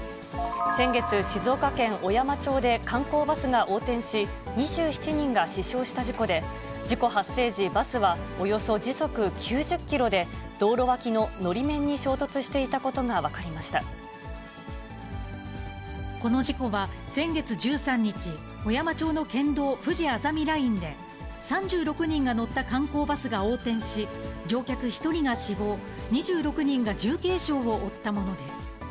先月、静岡県小山町で観光バスが横転し、２７人が死傷した事故で、事故発生時、バスはおよそ時速９０キロで道路脇ののり面に衝突していたことがこの事故は先月１３日、小山町の県道、ふじあざみラインで、３６人が乗った観光バスが横転し、乗客１人が死亡、２６人が重軽傷を負ったものです。